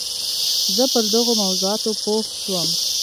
زه پر دغو موضوعاتو پوه شوم.